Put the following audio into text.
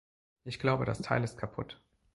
Ich glaube, das Teil ist kaputt.